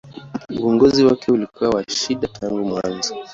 Uongozi wake ulikuwa wa shida tangu mwanzo.